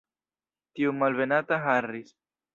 Tiu malbenata Harris!